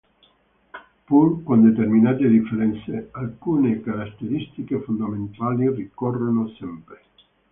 Pur con determinate differenze, alcune caratteristiche fondamentali ricorrono sempre.